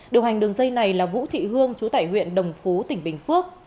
điều hành đường dây này là vũ thị hương chú tại huyện đồng phú tỉnh bình phước